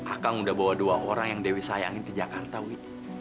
akang udah bawa dua orang yang dewi sayangin ke jakarta wi